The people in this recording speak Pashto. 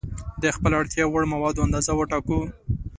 د خپلې اړتیا وړ موادو اندازه وټاکو.